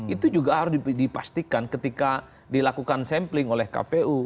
itu juga harus dipastikan ketika dilakukan sampling oleh kpu